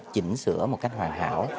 chỉnh sửa một cách hoàn hảo